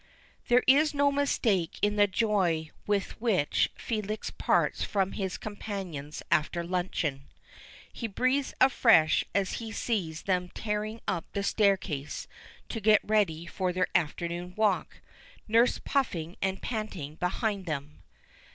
There is no mistake in the joy with which Felix parts from his companions after luncheon. He breathes afresh as he sees them tearing up the staircase to get ready for their afternoon walk, nurse puffing and panting behind them.